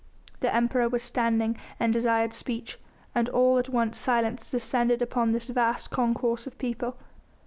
The Emperor was standing and desired speech, and all at once silence descended upon this vast concourse of people.